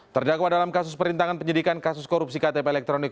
terdakwa dalam kasus perintangan penyidikan kasus korupsi ktp elektronik